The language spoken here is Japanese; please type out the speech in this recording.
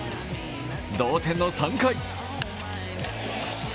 同点の３回。